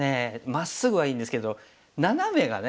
まっすぐはいいんですけどナナメがね。